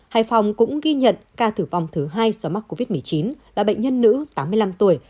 hải phòng cũng ghi nhận ca tử vong thứ hai do mắc covid một mươi chín là bệnh nhân nữ tám mươi năm tuổi